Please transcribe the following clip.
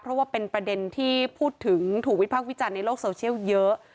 เพราะว่าเป็นประเด็นที่พูดถึงถูกวิพากษ์วิจารณ์ในโลกโซเชียลเยอะ